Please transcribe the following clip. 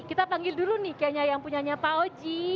kita panggil dulu nih kayaknya yang punyanya pak oji